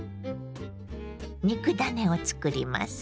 肉ダネをつくります。